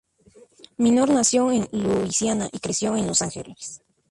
Minor nació en Luisiana y creció en Los Ángeles.